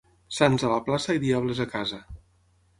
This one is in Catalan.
Sants a la plaça i diables a casa.